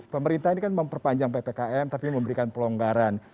pemerintah ini kan memperpanjang ppkm tapi memberikan pelonggaran